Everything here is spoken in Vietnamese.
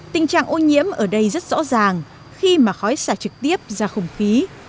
tình trạng ô nhiễm ở đây rất rõ ràng khi mà khói xả trực tiếp ra không khí